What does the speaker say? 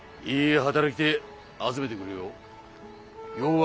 いい働き手集めてくれよ。